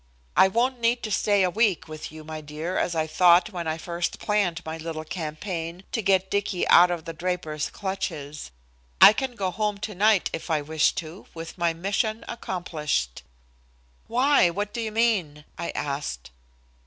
I won't need to stay a week with you, my dear, as I thought when I first planned my little campaign to get Dicky out of the Draper's clutches. I can go home tonight if I wish to, with my mission accomplished." "Why, what do you mean?" I asked.